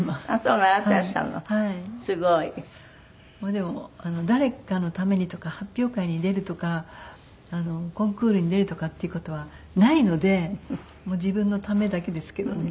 でも誰かのためにとか発表会に出るとかコンクールに出るとかっていう事はないので自分のためだけですけどね。